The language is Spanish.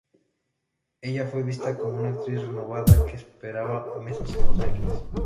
Ella fue vista como una actriz renovada que esperaba mesas en Los Ángeles.